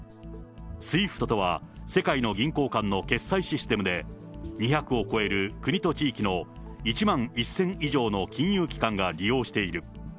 ＳＷＩＦＴとは、世界の銀行間の決済システムで、２００を超える国と地域の１万１０００以上の金融機関が利用している。